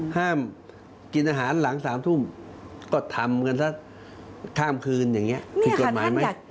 ห้ามกินอาหารหลัง๓ทุ่มก็ทำกันสักข้ามคืนอย่างนี้ผิดกฎหมายไหม